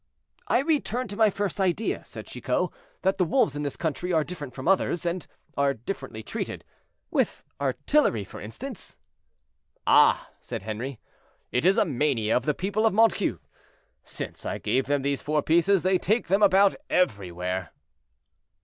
"I return to my first idea," said Chicot, "that the wolves in this country are different from others, and are differently treated; with artillery, for instance." "Ah!" said Henri, "it is a mania of the people of Montcuq. Since I gave them these four pieces they take them about everywhere."